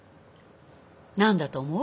なんだと思う？